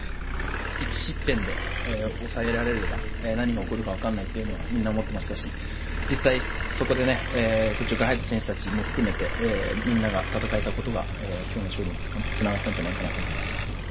１失点で抑えられれば何が起こるか分からないというのはみんな思っていましたし実際、そこで途中から入った選手たちも含めてみんなが戦えたことが今日の勝利につながったんじゃないかなと思います。